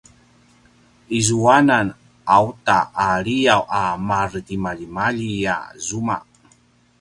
izuanan auta a liyaw a maretimaljimalji a zuma